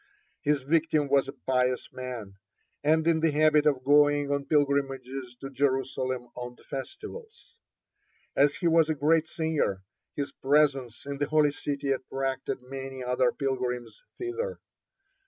(38) His victim was a pious man, and in the habit of going on pilgrimages to Jerusalem on the festivals. As he was a great singer, his presence in the Holy City attracted many other pilgrims thither.